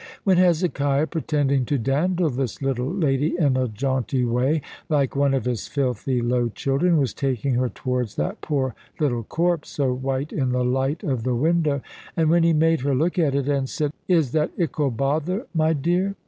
When Hezekiah, pretending to dandle this little lady in a jaunty way, like one of his filthy low children, was taking her towards that poor little corpse, so white in the light of the window; and when he made her look at it, and said, "Is that ickle bother, my dear?"